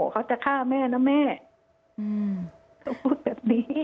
เขาจะฆ่าแม่นะแม่เขาพูดแบบนี้